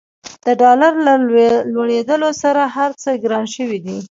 د ډالر له لوړېدولو سره هرڅه ګران شوي دي.